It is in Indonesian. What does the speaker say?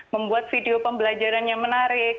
membuat video pembelajaran yang menarik